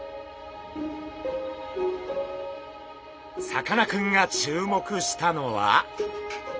さかなクンが注目したのは。